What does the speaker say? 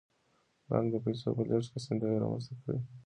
بانک د پیسو په لیږد کې اسانتیاوې رامنځته کوي.